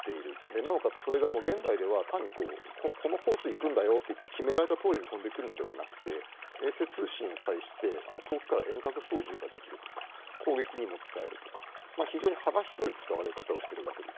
なおかつ、現代ではこのコースに行くんだよと決められたとおりに飛んでいくのではなくて衛星通信を通して遠くから遠隔操縦ができるとか攻撃にも使えるとか非常に幅広い使われ方をしているわけです。